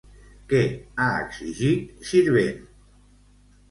Què ha exigit, Sirvent?